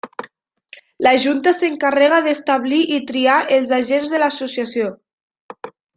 La junta s'encarrega d'establir i triar als agents de l'associació.